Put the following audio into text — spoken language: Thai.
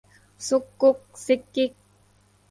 ซุกกุ๊กซิกกิ๊ก